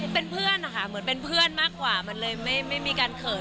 เป็นเพื่อนนะคะเหมือนเป็นเพื่อนมากกว่ามันเลยไม่มีการเขิน